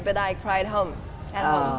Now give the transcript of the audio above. tapi saya menangis di rumah